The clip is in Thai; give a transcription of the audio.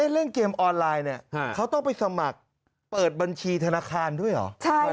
เล่นเกมออนไลน์เนี่ยเขาต้องไปสมัครเปิดบัญชีธนาคารด้วยเหรอ